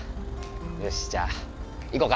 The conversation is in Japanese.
よし、じゃあ行こうか。